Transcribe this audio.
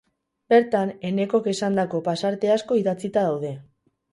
Bertan, Enekok esandako pasarte asko idatzita daude.